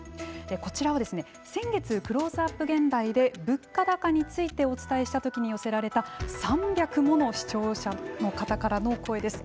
こちらは先月「クローズアップ現代」で物価高についてお伝えした時に寄せられた３００もの視聴者の方からの声です。